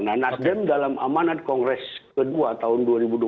nah nasdem dalam amanat kongres ke dua tahun dua ribu dua puluh sembilan